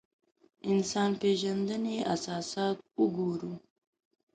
انسان پېژندنې اساسات وګورو.